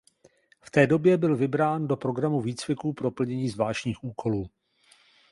V té době byl vybrán do programu výcviku pro plnění zvláštních úkolů.